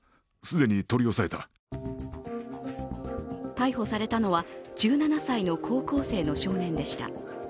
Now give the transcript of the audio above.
逮捕されたのは１７歳の高校生の少年でした。